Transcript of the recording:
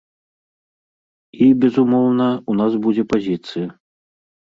І, безумоўна, у нас будзе пазіцыя.